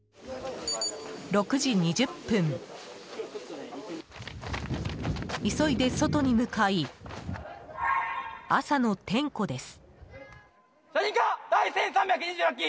６時２０分急いで外に向かい、朝の点呼です。